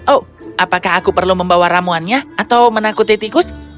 oh apakah aku perlu membawa ramuannya atau menakuti tikus